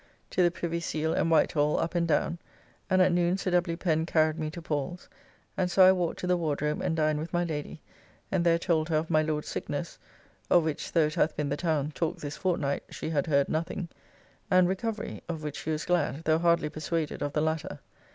To the Privy Seal and Whitehall, up and down, and at noon Sir W. Pen carried me to Paul's, and so I walked to the Wardrobe and dined with my Lady, and there told her, of my Lord's sickness (of which though it hath been the town talk this fortnight, she had heard nothing) and recovery, of which she was glad, though hardly persuaded of the latter.